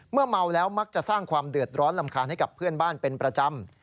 เมาแล้วมักจะสร้างความเดือดร้อนรำคาญให้กับเพื่อนบ้านเป็นประจำ